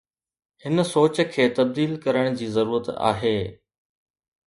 هن سوچ کي تبديل ڪرڻ جي ضرورت آهي.